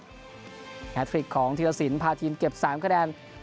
แทรกของเทศสินพาทีมเก็บ๓คะแดน